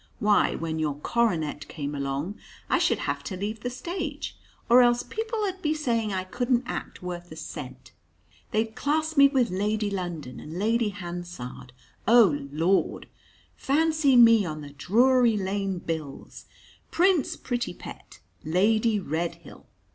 Why, when your coronet came along, I should have to leave the stage, or else people 'ud be saying I couldn't act worth a cent. They'd class me with Lady London and Lady Hansard oh, Lord! Fancy me on the Drury Lane bills Prince Prettypet, Lady Redhill.